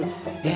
gawat ini mel